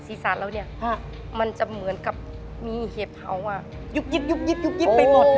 ซีซานแล้วเนี่ยมันจะเหมือนกับมีเฮฟเฮาส์อะยุบ